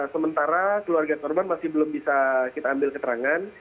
sementara keluarga korban masih belum bisa kita ambil keterangan